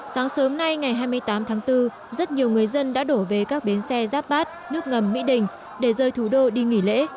sáng sớm nay ngày hai mươi tám tháng bốn rất nhiều người dân đã đổ về các bến xe giáp bát nước ngầm mỹ đình để rơi thủ đô đi nghỉ lễ